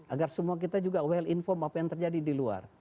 agar semua kita juga well informe apa yang terjadi di luar